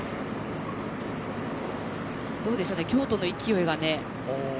どうでしょう京都の勢いは。